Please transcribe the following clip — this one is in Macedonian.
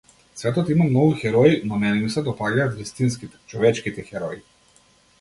Светот има многу херои, но мене ми се допаѓаат вистинските, човечките херои.